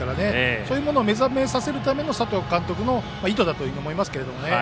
そういうものを目覚めさせるための佐藤監督の意図だと思います。